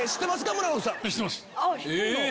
村野さん。